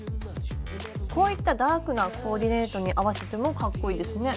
こういったダークなコーディネートに合わせてもかっこいいですね。